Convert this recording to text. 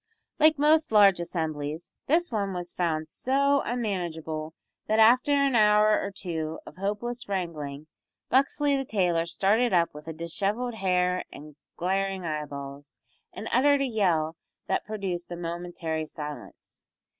Like most large assemblies, this one was found so unmanageable, that, after an hour or two of hopeless wrangling, Buxley the tailor started up with dishevelled hair and glaring eyeballs, and uttered a yell that produced a momentary silence.